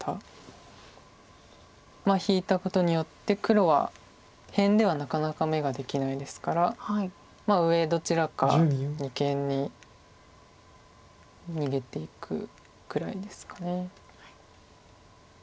引いたことによって黒は辺ではなかなか眼ができないですから上どちらか二間に逃げていくくらいですか。